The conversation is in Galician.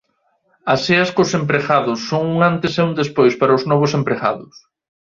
As ceas cos empregados son un antes e un despois para os novos empregados.